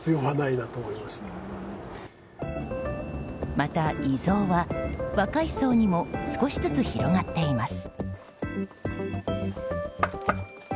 また遺贈は、若い層にも少しずつ広がっています。